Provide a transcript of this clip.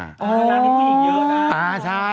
อ๋อร้านที่ผู้หญิงเยอะนะ